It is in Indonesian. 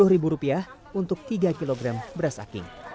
sepuluh ribu rupiah untuk tiga kg beras aking